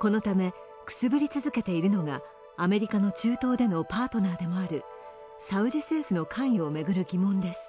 このためくすぶり続けているのがアメリカの中東でのパートナーでもあるサウジ政府の関与を巡る疑問です。